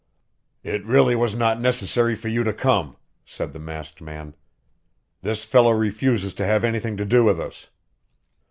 "It really was not necessary for you to come," said the masked man. "This fellow refuses to have anything to do with us."